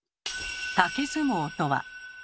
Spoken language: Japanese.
竹相撲とは。